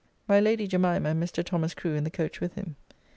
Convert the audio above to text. My Lady Jemimah and Mr. Thomas Crew in the coach with him.